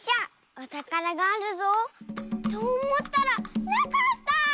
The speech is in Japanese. おたからがあるぞ。とおもったらなかった！